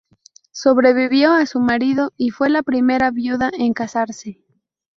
Sobrevivió a su marido y fue la primera viuda en casarse.